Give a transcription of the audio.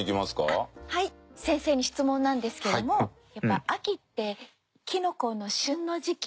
先生に質問なんですけどもやっぱ秋ってキノコの旬の時期で。